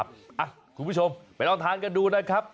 คุณผู้ชมไปลองทานกันดูนะครับ